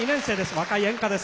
若い演歌です。